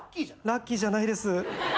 ラッキーじゃないです。